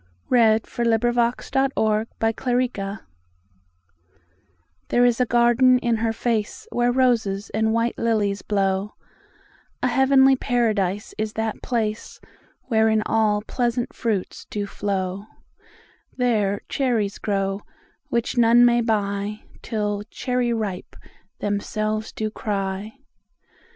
1909–14. Thomas Campion 140. Cherry ripe THERE is a garden in her faceWhere roses and white lilies blow;A heavenly paradise is that place, Wherein all pleasant fruits do flow:There cherries grow which none may buyTill 'Cherry ripe' themselves do cry.